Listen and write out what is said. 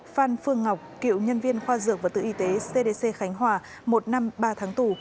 phan phương ngọc cựu nhân viên khoa dược và tự y tế cdc khánh hòa một năm ba tháng tù